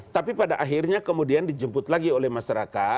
tapi pada akhirnya kemudian dijemput lagi oleh masyarakat